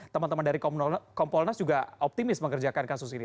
teman teman dari kompolnas juga optimis mengerjakan kasus ini